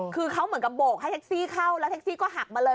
คือเขาเหมือนกับโบกให้แท็กซี่เข้าแล้วแท็กซี่ก็หักมาเลย